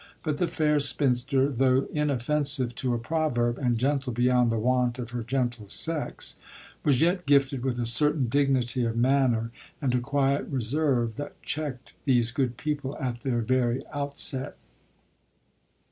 But the fair spinster, though innoffensive to a proverb, and gentle beyond the wont of her gentle sex, was yet gifted witli a certain dignity of manner, and a quiet reserve, that checked these good people at their very outset.